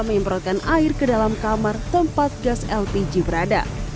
menyemprotkan air ke dalam kamar tempat gas lpg berada